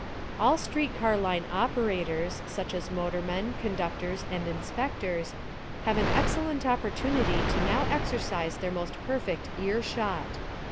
All street car line operators, such as motormen, conductors and inspectors, have an excellent opportunity to now exercise their most perfect ear shot.